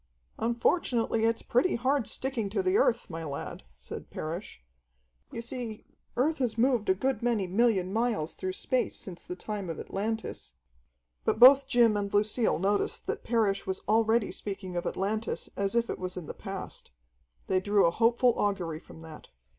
"Unfortunately, it's pretty hard sticking to the Earth, my lad," said Parrish. "You see, Earth has moved a good many million miles through space since the time of Atlantis." But both Jim and Lucille noticed that Parrish was already speaking of Atlantis as if it was in the past. They drew a hopeful augury from that.